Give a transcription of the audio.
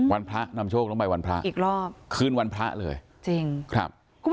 พระนำโชคต้องไปวันพระอีกรอบคืนวันพระเลยจริงครับ